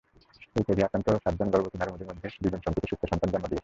HIV আক্রান্ত সাতজন গর্ভবতী নারীর মধ্যে দুজন সম্প্রতি সুস্থ সন্তান জন্ম দিয়েছেন।